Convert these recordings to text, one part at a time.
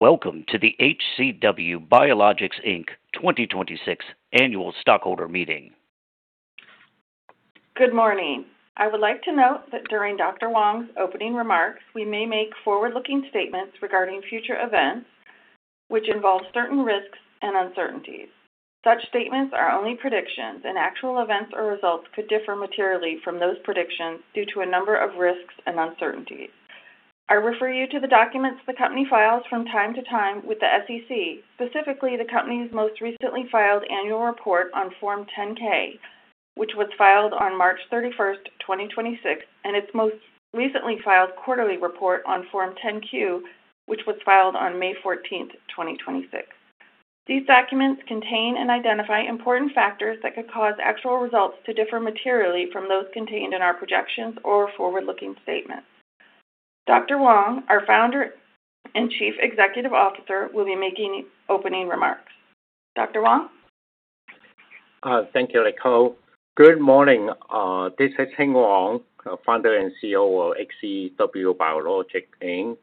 Welcome to the HCW Biologics, Inc. 2026 annual stockholder meeting. Good morning. I would like to note that during Dr. Wong's opening remarks, we may make forward-looking statements regarding future events which involve certain risks and uncertainties. Such statements are only predictions, and actual events or results could differ materially from those predictions due to a number of risks and uncertainties. I refer you to the documents the company files from time to time with the SEC, specifically the company's most recently filed annual report on Form 10-K, which was filed on March 31st, 2026, and its most recently filed quarterly report on Form 10-Q, which was filed on May 14th, 2026. These documents contain and identify important factors that could cause actual results to differ materially from those contained in our projections or forward-looking statements. Dr. Wong, our Founder and Chief Executive Officer, will be making opening remarks. Dr. Wong? Thank you, Nicole. Good morning. This is Hing C. Wong, Founder and CEO of HCW Biologics, Inc.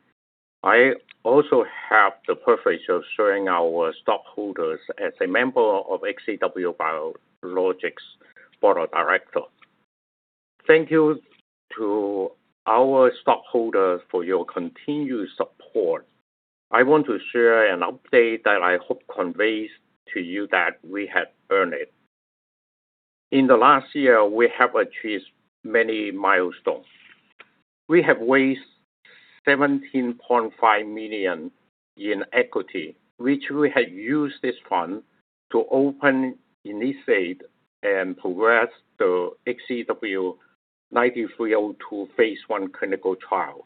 I also have the privilege of serving our stockholders as a member of HCW Biologics Board of Directors. Thank you to our stockholders for your continued support. I want to share an update that I hope conveys to you that we have earned it. In the last year, we have achieved many milestones. We have raised $17.5 million in equity, which we have used this fund to open, initiate, and progress the HCW9302 phase I clinical trial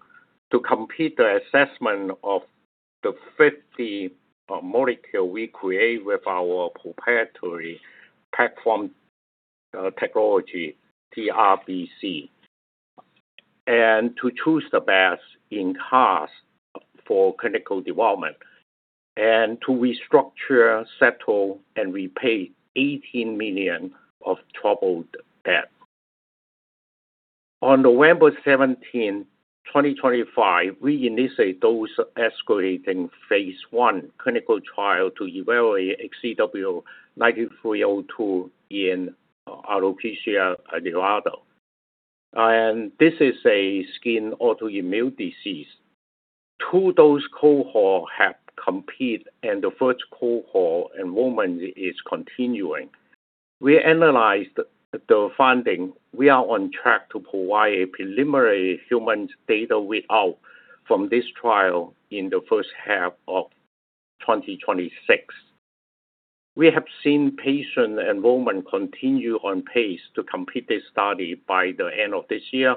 to complete the assessment of the 50 molecule we create with our proprietary platform technology, TRBC, and to restructure, settle, and repay $18 million of troubled debt. On November 17, 2025, we initiate dose-escalating phase I clinical trial to evaluate HCW9302 in alopecia areata. This is a skin autoimmune disease. Two dose cohort have completed, and the first cohort enrollment is continuing. We analyzed the finding. We are on track to provide a preliminary human data read-out from this trial in the first half of 2026. We have seen patient enrollment continue on pace to complete this study by the end of this year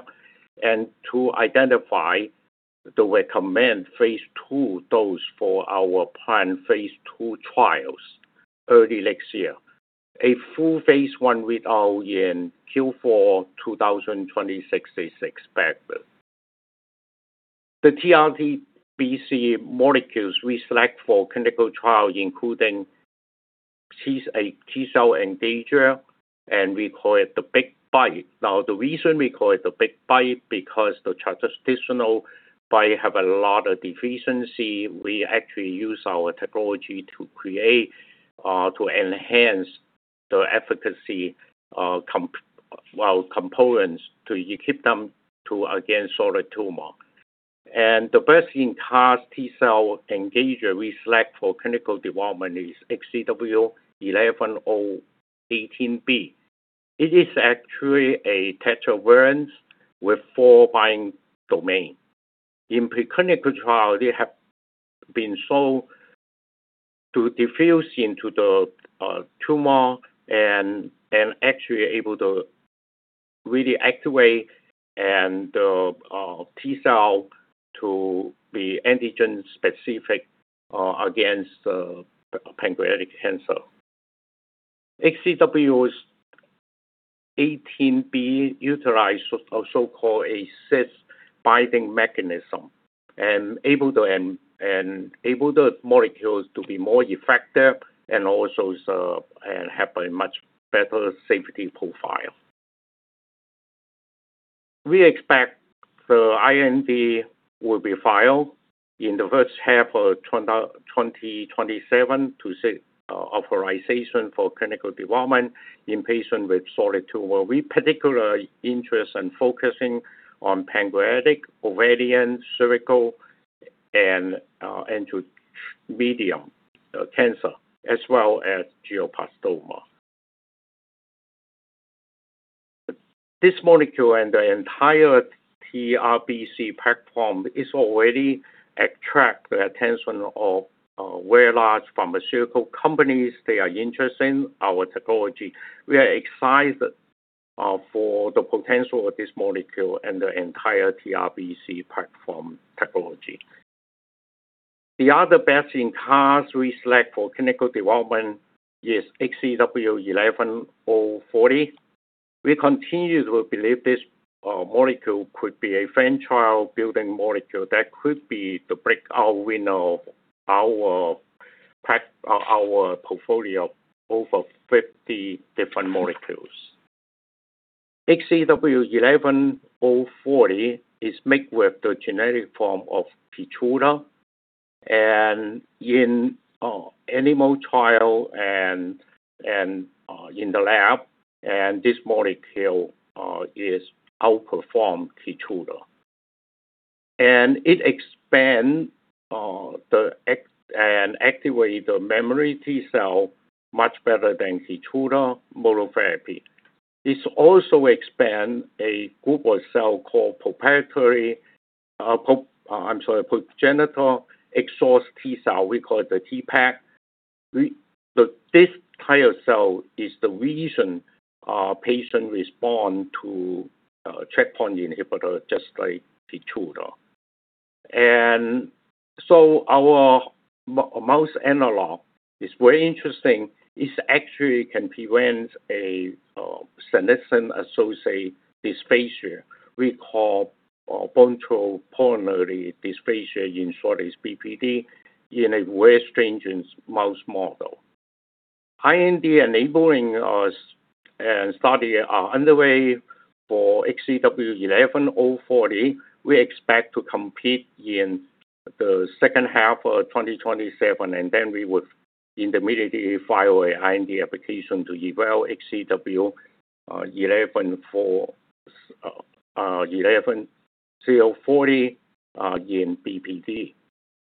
and to identify the recommend phase II dose for our planned phase II trials early next year. A full phase I read-out in Q4 2026 is expected. The TRBC molecules we select for clinical trials including T-cell engager, and we call it the Big BiTE. The reason we call it the Big BiTE, because the traditional BiTE have a lot of deficiency. We actually use our technology to create, to enhance the efficacy of components to equip them to against solid tumor. The best-in-class T-cell engager we select for clinical development is HCW11-018b. It is actually a tetravalent with four binding domain. In preclinical trial, they have been shown to diffuse into the tumor and actually able to really activate and the T-cell to be antigen-specific against pancreatic cancer. HCW's 18b utilize a so-called a cis-binding mechanism and able the molecules to be more effective and also have a much better safety profile. We expect the IND will be filed in the first half of 2027 to seek authorization for clinical development in patient with solid tumor. We particularly interest in focusing on pancreatic, ovarian, cervical, and mesothelioma as well as glioblastoma. This molecule and the entire TRBC Platform is already attract the attention of a very large pharmaceutical companies. They are interested in our technology. We are excited for the potential of this molecule and the entire TRBC Platform technology. The other best in class we select for clinical development is HCW11-040. We continue to believe this molecule could be a franchise-building molecule that could be the breakout window our portfolio of over 50 different molecules. HCW11-040 is made with the genetic form of KEYTRUDA, and in animal trial and in the lab, this molecule is outperforming KEYTRUDA. It expands and activate the memory T-cell much better than KEYTRUDA monotherapy. This also expand a group of cell called progenitor exhausted T cell, we call it the TPEX. This type of cell is the reason our patient respond to a checkpoint inhibitor just like KEYTRUDA. Our mouse analog is very interesting. It actually can prevent a senescence-associated dysplasia we call bronchopulmonary dysplasia, in short is BPD, in a very stringent mouse model. IND enabling study are underway for HCW11-040. We expect to complete in the second half of 2027, then we would immediately file an IND application to evaluate HCW11-040 in BPD.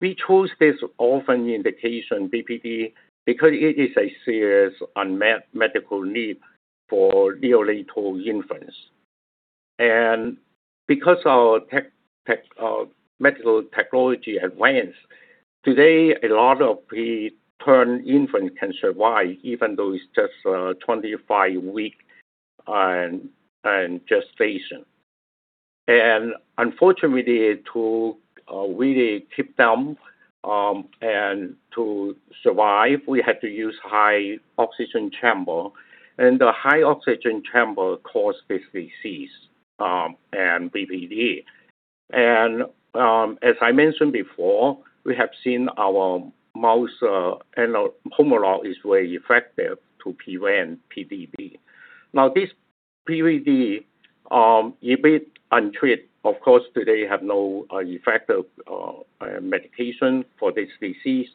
We chose this orphan indication, BPD, because it is a serious unmet medical need for neonatal infants. Because our medical technology advanced, today, a lot of the infant can survive even though it's just a 25-week gestation. Unfortunately, to really keep them and to survive, we had to use high oxygen chamber, and the high oxygen chamber caused this disease and BPD. As I mentioned before, we have seen our mouse analog homolog is very effective to prevent BPD. Now this BPD, if it's untreated, of course, today have no effective medication for this disease.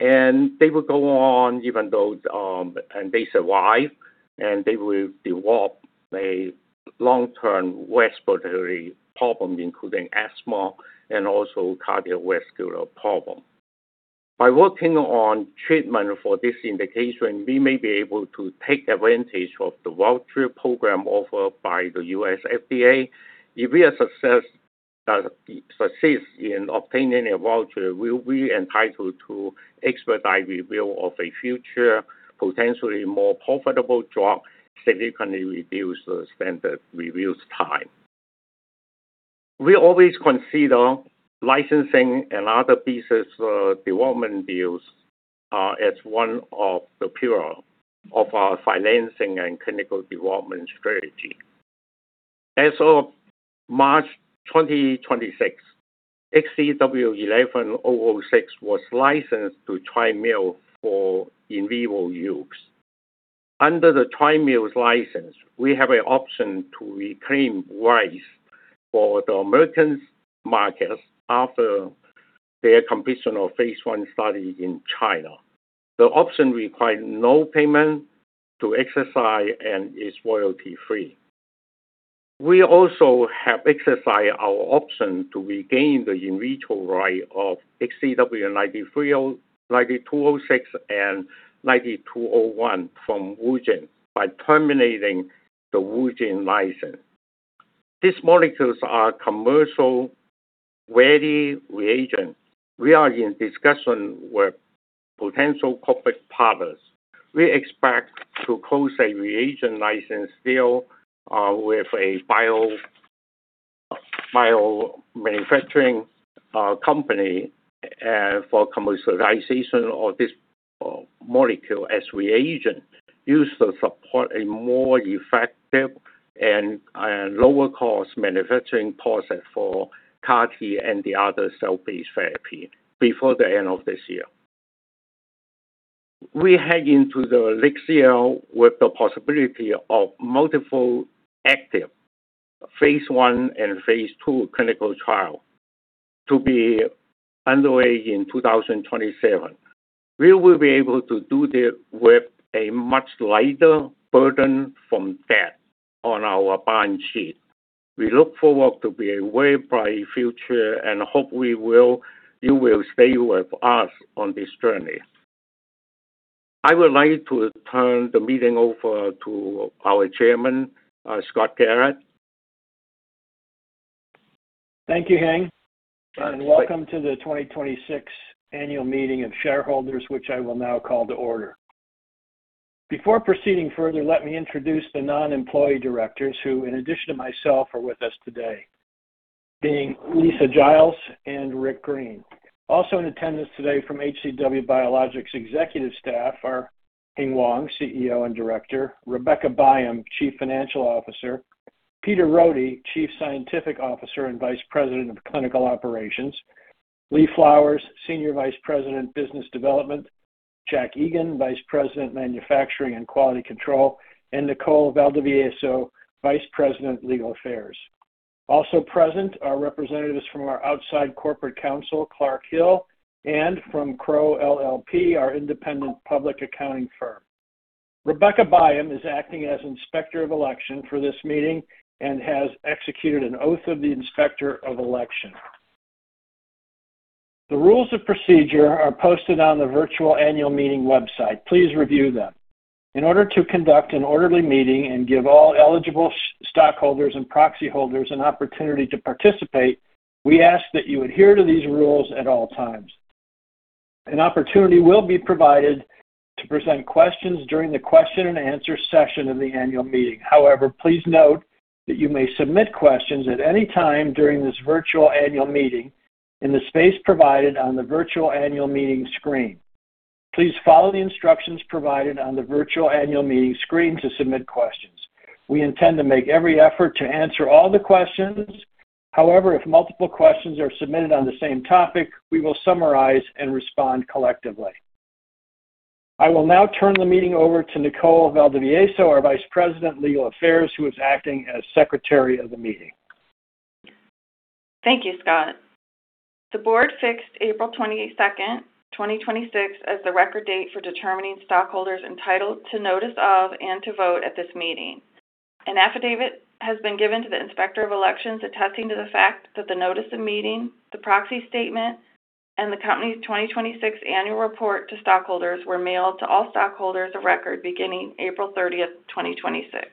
They will go on and they survive, and they will develop a long-term respiratory problem, including asthma and also cardiovascular problem. By working on treatment for this indication, we may be able to take advantage of the voucher program offered by the U.S. FDA. If we are success in obtaining a voucher, we will be entitled to expedite review of a future, potentially more profitable drug, significantly reduce the standard reviews time. We always consider licensing and other business development deals as one of the pillar of our financing and clinical development strategy. As of March 2026, HCW11-006 was licensed to Trimmune for in vivo use. Under the Trimmune's license, we have an option to reclaim rights for the U.S. markets after their completion of phase I study in China. The option required no payment to exercise and is royalty-free. We also have exercised our option to regain the in vitro right of HCW9206 and 9201 from Wugen by terminating the Wugen license. These molecules are commercial-ready reagent. We are in discussion with potential corporate partners. We expect to close a reagent license deal with a biomanufacturing company for commercialization of this molecule as reagent used to support a more effective and lower-cost manufacturing process for CAR T and the other cell-based therapy before the end of this year. We head into the next year with the possibility of multiple active phase I and phase II clinical trial to be underway in 2027. We will be able to do this with a much lighter burden from debt on our balance sheet. We look forward to a very bright future and hope you will stay with us on this journey. I would like to turn the meeting over to our Chairman, Scott Garrett. Thank you, Hing. Welcome to the 2026 annual meeting of shareholders, which I will now call to order. Before proceeding further, let me introduce the non-employee directors, who in addition to myself, are with us today, being Lisa Giles and Rick Greene. Also in attendance today from HCW Biologics executive staff are Hing Wong, CEO and Director, Rebecca Byam, Chief Financial Officer, Peter Rhode, Chief Scientific Officer and Vice President of Clinical Operations, Lee Flowers, Senior Vice President, Business Development, Jack Egan, Vice President, Manufacturing and Quality Control, and Nicole Valdivieso, Vice President, Legal Affairs. Also present are representatives from our outside corporate counsel, Clark Hill, and from Crowe LLP, our independent public accounting firm. Rebecca Byam is acting as Inspector of Election for this meeting and has executed an Oath of the Inspector of Election. The rules of procedure are posted on the virtual annual meeting website. Please review them. In order to conduct an orderly meeting and give all eligible stockholders and proxy holders an opportunity to participate, we ask that you adhere to these rules at all times. An opportunity will be provided to present questions during the question and answer session of the annual meeting. However, please note that you may submit questions at any time during this virtual annual meeting in the space provided on the virtual annual meeting screen. Please follow the instructions provided on the virtual annual meeting screen to submit questions. We intend to make every effort to answer all the questions. However, if multiple questions are submitted on the same topic, we will summarize and respond collectively. I will now turn the meeting over to Nicole Valdivieso, our Vice President, Legal Affairs, who is acting as Secretary of the meeting. Thank you, Scott. The board fixed April 22nd, 2026, as the record date for determining stockholders entitled to notice of and to vote at this meeting. An affidavit has been given to the Inspector of Elections attesting to the fact that the notice of meeting, the proxy statement, and the company's 2026 annual report to stockholders were mailed to all stockholders of record beginning April 30th, 2026.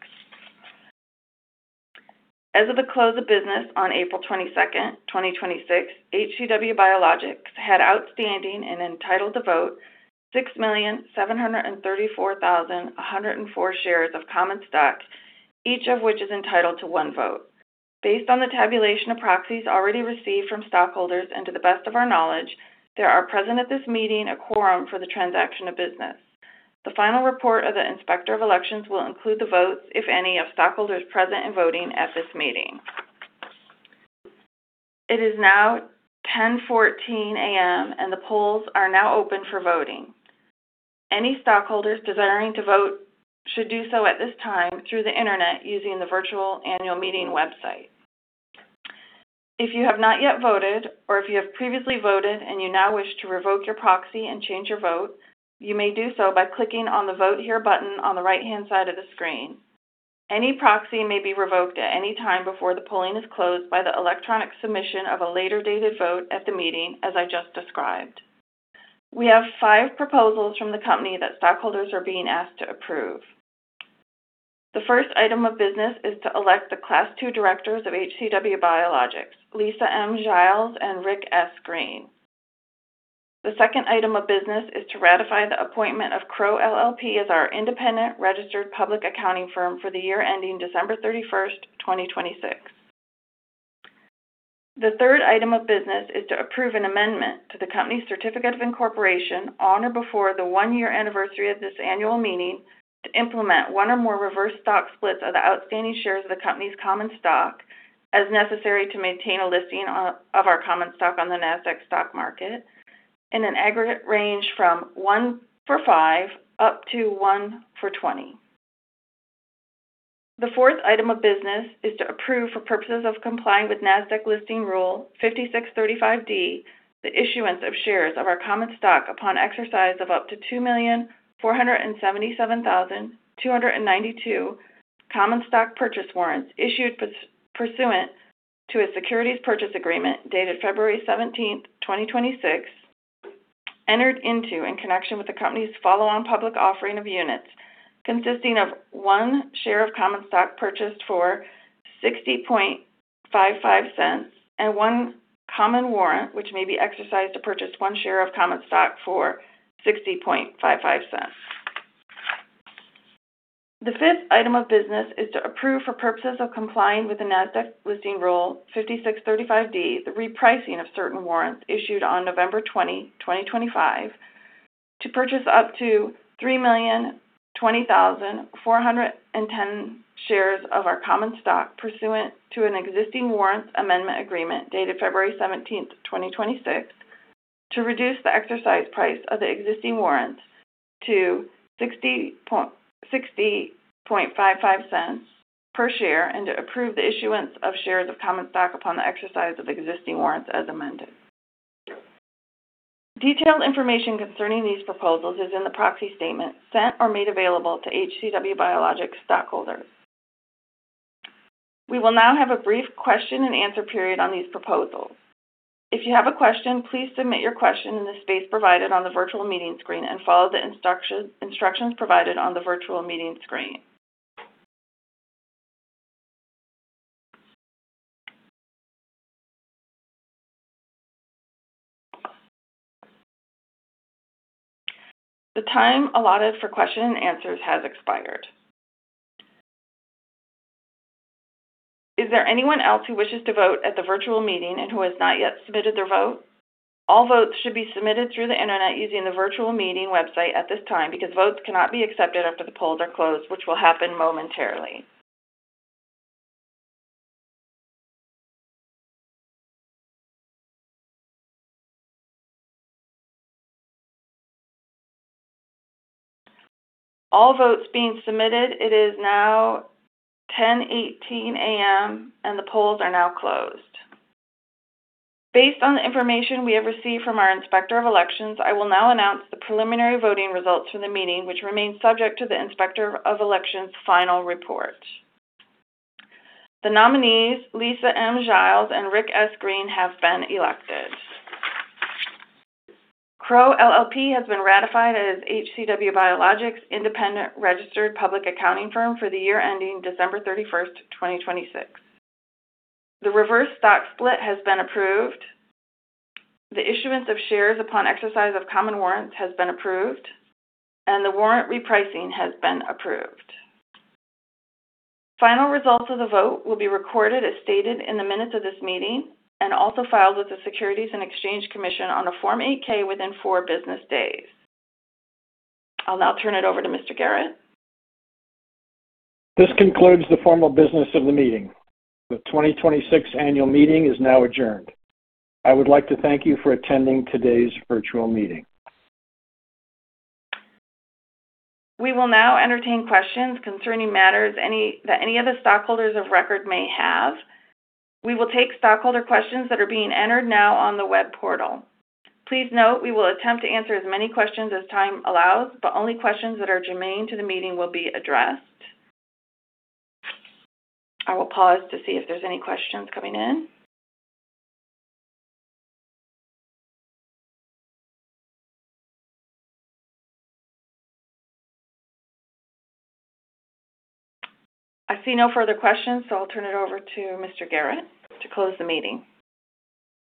As of the close of business on April 22nd, 2026, HCW Biologics had outstanding and entitled to vote 6,734,104 shares of common stock, each of which is entitled to one vote. Based on the tabulation of proxies already received from stockholders and to the best of our knowledge, there are present at this meeting a quorum for the transaction of business. The final report of the Inspector of Elections will include the votes, if any, of stockholders present and voting at this meeting. It is now 10:14 A.M. The polls are now open for voting. Any stockholders desiring to vote should do so at this time through the Internet using the virtual annual meeting website. If you have not yet voted, or if you have previously voted and you now wish to revoke your proxy and change your vote, you may do so by clicking on the Vote Here button on the right-hand side of the screen. Any proxy may be revoked at any time before the polling is closed by the electronic submission of a later dated vote at the meeting, as I just described. We have five proposals from the company that stockholders are being asked to approve. The first item of business is to elect the Class II Directors of HCW Biologics, Lisa M. Giles and Rick S. Greene. The second item of business is to ratify the appointment of Crowe LLP as our independent registered public accounting firm for the year ending December 31st, 2026. The third item of business is to approve an amendment to the company's certificate of incorporation on or before the one-year anniversary of this annual meeting to implement one or more reverse stock splits of the outstanding shares of the company's common stock as necessary to maintain a listing of our common stock on the Nasdaq stock market in an aggregate range from one for five up - one for 20. The fourth item of business is to approve, for purposes of complying with Nasdaq Listing Rule 5635(d), the issuance of shares of our common stock upon exercise of up to 2,477,292 common stock purchase warrants issued pursuant to a securities purchase agreement dated February 17th, 2026, entered into in connection with the company's follow-on public offering of units, consisting of one share of common stock purchased for $0.6055 and one common warrant, which may be exercised to purchase one share of common stock for $0.6055. The fifth item of business is to approve, for purposes of complying with the Nasdaq Listing Rule 5635(d), the repricing of certain warrants issued on November 20, 2025, to purchase up to 3,020,410 shares of our common stock pursuant to an existing warrants amendment agreement dated February 17, 2026, to reduce the exercise price of the existing warrants to $0.6055 per share and to approve the issuance of shares of common stock upon the exercise of existing warrants as amended. Detailed information concerning these proposals is in the proxy statement sent or made available to HCW Biologics stockholders. We will now have a brief question and answer period on these proposals. If you have a question, please submit your question in the space provided on the virtual meeting screen and follow the instructions provided on the virtual meeting screen. The time allotted for question and answers has expired. Is there anyone else who wishes to vote at the virtual meeting and who has not yet submitted their vote? All votes should be submitted through the Internet using the virtual meeting website at this time because votes cannot be accepted after the polls are closed, which will happen momentarily. All votes being submitted. It is now 10:18 A.M. and the polls are now closed. Based on the information we have received from our Inspector of Elections, I will now announce the preliminary voting results from the meeting, which remains subject to the Inspector of Elections' final report. The nominees, Lisa M. Giles and Rick S. Greene, have been elected. Crowe LLP has been ratified as HCW Biologics' independent registered public accounting firm for the year ending December 31, 2026. The reverse stock split has been approved. The issuance of shares upon exercise of common warrants has been approved. The warrant repricing has been approved. Final results of the vote will be recorded as stated in the minutes of this meeting and also filed with the Securities and Exchange Commission on a Form 8-K within four business days. I'll now turn it over to Mr. Garrett. This concludes the formal business of the meeting. The 2026 annual meeting is now adjourned. I would like to thank you for attending today's virtual meeting. We will now entertain questions concerning matters that any of the stockholders of record may have. We will take stockholder questions that are being entered now on the web portal. Please note, we will attempt to answer as many questions as time allows, but only questions that are germane to the meeting will be addressed. I will pause to see if there's any questions coming in. I see no further questions, so I'll turn it over to Mr. Garrett to close the meeting.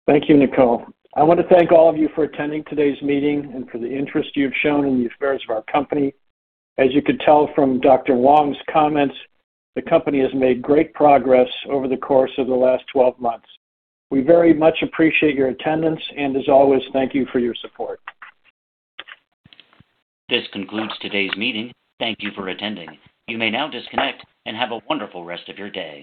Thank you, Nicole. I want to thank all of you for attending today's meeting and for the interest you've shown in the affairs of our company. As you could tell from Dr. Wong's comments, the company has made great progress over the course of the last 12 months. We very much appreciate your attendance, and as always, thank you for your support. This concludes today's meeting. Thank you for attending. You may now disconnect and have a wonderful rest of your day.